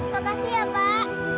makasih ya pak